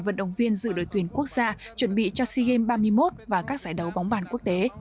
vận động viên dự đội tuyển quốc gia chuẩn bị cho sea games ba mươi một và các giải đấu bóng bàn quốc tế